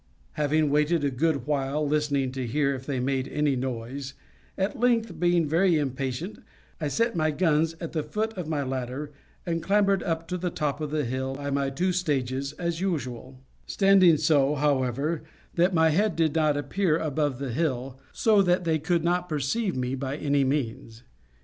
Having waited a good while listening to hear if they made any noise, at length, being very impatient, I set my guns at the foot of my ladder, and clambered up to the top of the hill, by my two stages, as usual; standing so, however, that my head did not appear above the hill, so that they could not perceive me by any means.